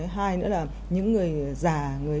hai nữa là những người già